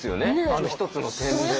あの１つの点で。